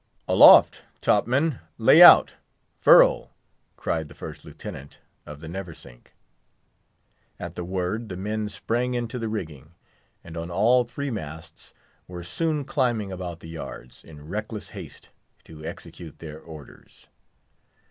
"Aloft, topmen! lay out! furl!" cried the First Lieutenant of the Neversink. At the word the men sprang into the rigging, and on all three masts were soon climbing about the yards, in reckless haste, to execute their orders.